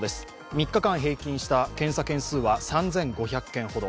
３日間平均した検査件数は３５００件ほど。